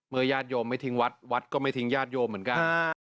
เมื่อยาดโยมไม่ทิ้งวัดวัดก็ไม่ทิ้งยาดโยมเหมือนกัน